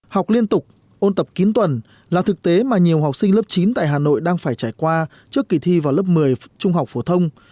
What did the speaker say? học liên tục ôn tập kín tuần là thực tế mà nhiều học sinh lớp chín tại hà nội đang phải trải qua trước kỳ thi vào lớp một mươi trung học phổ thông